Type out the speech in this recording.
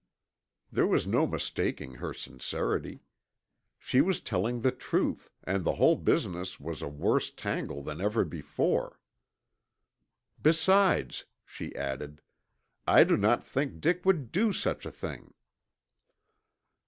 There was no mistaking her sincerity. She was telling the truth and the whole business was a worse tangle than ever before. "Besides," she added, "I do not think Dick would do such a thing."